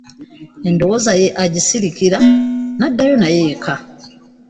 Endowooza ye agisirikira n'addayo nayo eka.